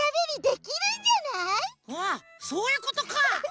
あっそういうことか！